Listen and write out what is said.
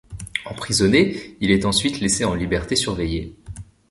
Emprisonné, il est ensuite laissé en liberté surveillée.